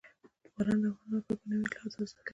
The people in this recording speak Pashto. باران د افغانانو لپاره په معنوي لحاظ ارزښت لري.